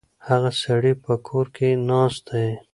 هغه سړی په کور کې ناست دی.